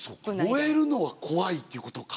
燃えるのが怖いっていうことか。